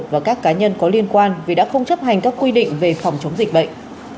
và các cá nhân có liên quan vì đã không chấp hành các quy định về phòng chống dịch bệnh